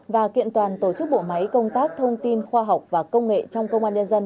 và kiện toàn tổ chức bộ máy công tác thông tin khoa học và công nghệ trong công an nhân dân